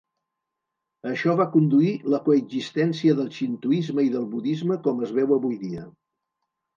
Això va conduir la coexistència del xintoisme i del budisme com es veu avui dia.